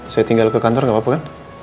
saya tinggal ke kantor gak apa apa kan